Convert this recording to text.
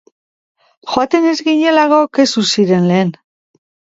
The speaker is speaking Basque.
Joaten ez ginelako kexu ziren lehen.